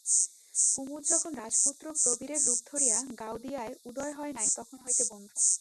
কুমুদ যখন রাজপুত্র প্রবীরের রূপ ধরিয়া গাওদিয়ায় উদয় হয় নাই তখন হইতে বন্ধু।